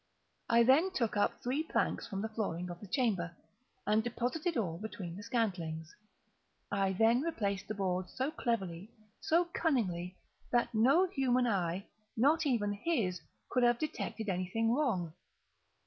I then took up three planks from the flooring of the chamber, and deposited all between the scantlings. I then replaced the boards so cleverly, so cunningly, that no human eye—not even his—could have detected any thing wrong.